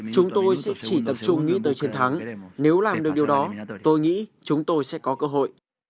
chúng tôi sẽ chỉ tập trung nghĩ tới chiến thắng nếu làm được điều đó tôi nghĩ chúng tôi sẽ có cơ hội